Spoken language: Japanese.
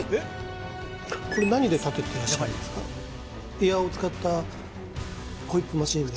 エアを使ったホイップマシンで？